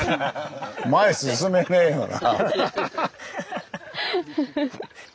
前進めねえよな。